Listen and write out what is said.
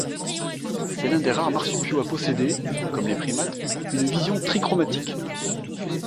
C'est l'un des rares marsupiaux à posséder, comme les primates, une vision trichromatique.